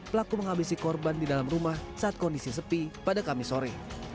pelaku menghabisi korban di dalam rumah saat kondisi sepi pada kamis sore